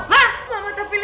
buat apa kamu